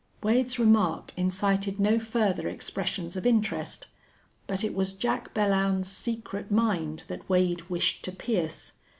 Wade's remark incited no further expressions of interest. But it was Jack Belllounds's secret mind that Wade wished to pierce.